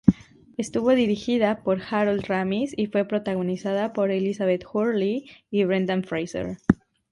Estuvo dirigida por Harold Ramis y fue protagonizada por Elizabeth Hurley y Brendan Fraser.